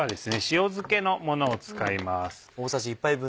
塩漬けのものを使います。